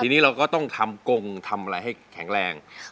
ทีนี้เราก็ต้องทำกงทำอะไรให้แข็งแรง